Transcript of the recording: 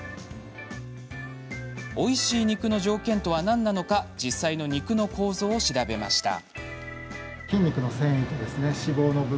おいしい肉の条件とは何なのか実際の肉の構造を調べました。